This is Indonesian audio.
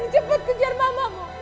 cepat kejar mamamu